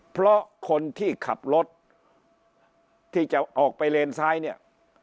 เพราะคนที่ขับรถที่จะออกไปเลนซ้ายเนี่ย